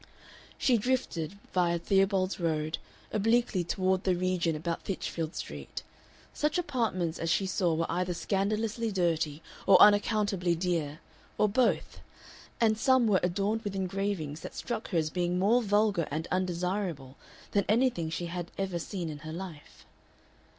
She drifted, via Theobald's Road, obliquely toward the region about Titchfield Street. Such apartments as she saw were either scandalously dirty or unaccountably dear, or both. And some were adorned with engravings that struck her as being more vulgar and undesirable than anything she had ever seen in her life.